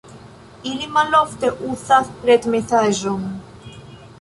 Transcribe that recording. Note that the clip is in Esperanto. Ili malofte uzas retmesaĝon.